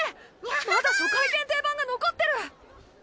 まだ初回限定版が残ってる！